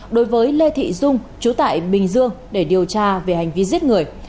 đối với lê thị dung chú tại bình dương để điều tra về hành vi giết người